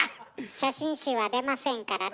写真集は出ませんからね。